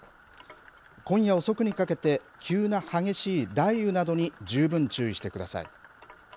今夜遅くにかけて急な激しい雷雨などに十分注意してください。